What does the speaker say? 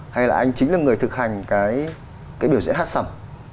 hay là anh chính là người thực hành cái biểu diễn hát sầm